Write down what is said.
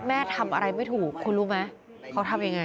แม่ทำอะไรไม่ถูกคุณรู้ไหมเขาทำยังไง